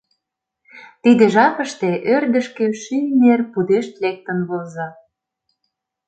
Тиде жапыште ӧрдыжкӧ шӱй нер пудешт лектын возо.